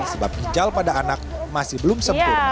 sebab ginjal pada anak masih belum sempurna